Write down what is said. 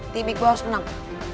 timik gue harus menang